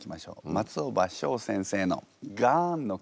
松尾葉翔先生の「ガーン」の句